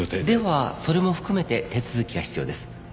ではそれも含めて手続きが必要です。